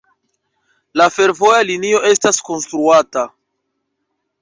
La fervoja linio estas konstruata.